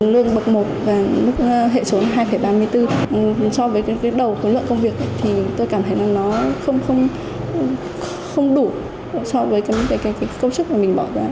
lương bậc một và mức hệ số hai ba mươi bốn so với đầu lượng công việc tôi cảm thấy nó không đủ so với công sức mình bỏ ra